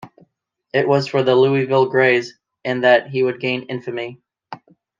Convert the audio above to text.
It was for the Louisville Grays in that he would gain infamy.